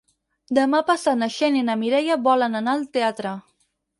Demà passat na Xènia i na Mireia volen anar al teatre.